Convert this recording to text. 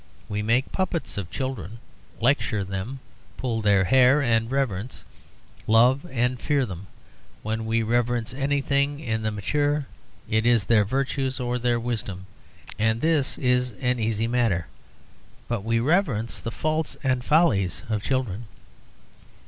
We make puppets of children, lecture them, pull their hair, and reverence, love, and fear them. When we reverence anything in the mature, it is their virtues or their wisdom, and this is an easy matter. But we reverence the faults and follies of children.